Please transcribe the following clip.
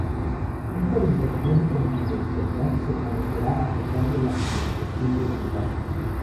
Esta obligación de confidencialidad permanecerá a pesar de la finalización del mandato.